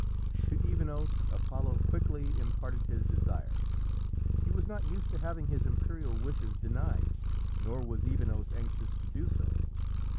To Evenos Apollo quickly imparted his desire. He was not used to having his imperial wishes denied, nor was Evenos anxious to do so.